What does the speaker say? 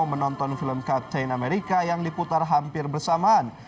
menonton film captain amerika yang diputar hampir bersamaan